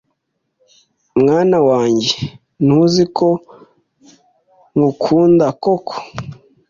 Mwana wanjye ntuzi ko nkukunda koko